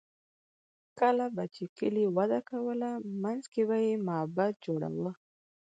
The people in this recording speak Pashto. کله به چې کلي وده کوله، منځ کې به یې معبد جوړاوه.